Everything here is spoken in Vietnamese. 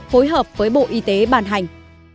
phối hợp với bộ y tế bàn hành